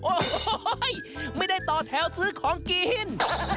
โอ้โหไม่ได้ต่อแถวซื้อของกิน